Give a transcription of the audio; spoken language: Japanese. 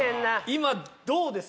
今どうです？